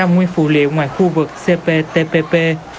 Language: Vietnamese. nguyên phụ liệu ngoài khu vực cptpp